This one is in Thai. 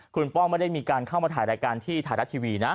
คุณป้องไม่ได้มีการเข้ามาถ่ายรายการที่ไทยรัฐทีวีนะ